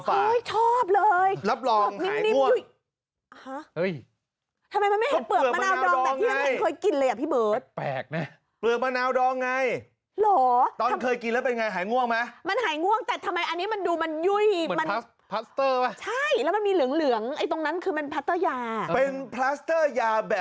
กัดได้ขาดเคี้ยวไม่ขาด